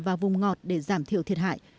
vào vùng ngọt để giảm thiệu thiệt hại